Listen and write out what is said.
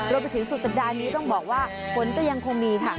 ไปถึงสุดสัปดาห์นี้ต้องบอกว่าฝนจะยังคงมีค่ะ